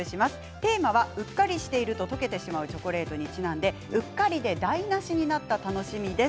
テーマはうっかりしていると溶けてしまうチョコレートにちなんでうっかりで台なしになった楽しみです。